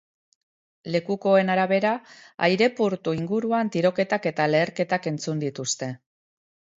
Lekukoen arabera, aireportu inguruan tiroketak eta leherketak entzun dituzte.